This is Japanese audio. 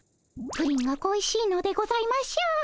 プリンが恋しいのでございましょう。